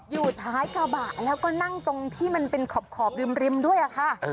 อยู่ท้ายกระบะแล้วก็นั่งตรงที่มันเป็นขอบริมด้วยค่ะ